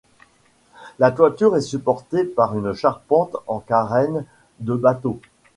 La toiture est supportée par une charpente en carène de bateau.